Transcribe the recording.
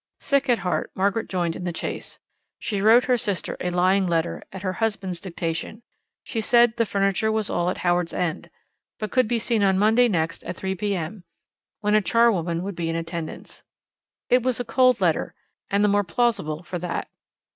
Sick at heart, Margaret joined in the chase. She wrote her sister a lying letter, at her husband's dictation; she said the furniture was all at Howards End, but could be seen on Monday next at 3 p.m., when a charwoman would be in attendance. It was a cold letter, and the more plausible for that.